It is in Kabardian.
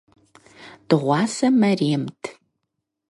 Дыгъуасэ мэремт.